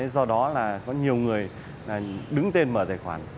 do đó là có nhiều người đứng tên mở tài khoản